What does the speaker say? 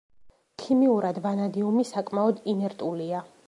ქიმიურად ვანადიუმი საკმაოდ ინერტულია.